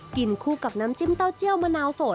กินคู่กับน้ำจิ้มเต้าเจียวมะนาวสด